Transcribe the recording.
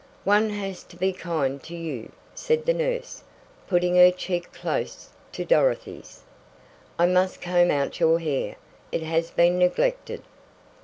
"One has to be kind to you," said the nurse, putting her cheek close to Dorothy's. "I must comb out your hair. It has been neglected."